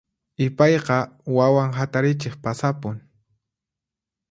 Ipayqa wawan hatarichiq pasapun.